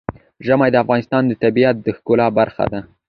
ژمی د افغانستان د طبیعت د ښکلا برخه ده.